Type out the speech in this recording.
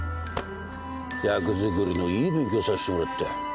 役作りのいい勉強さしてもらったよ。